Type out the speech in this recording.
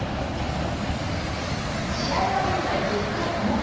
試合は現在１０回表。